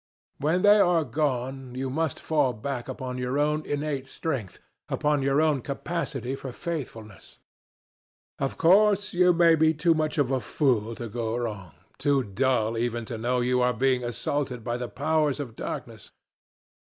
When they are gone you must fall back upon your own innate strength, upon your own capacity for faithfulness. Of course you may be too much of a fool to go wrong too dull even to know you are being assaulted by the powers of darkness.